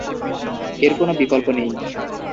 এর কোনো বিকল্প নেই।